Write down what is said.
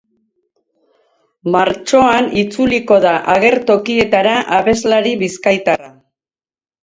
Martxoan itzuliko da agertokietara abeslari bizkaitarra.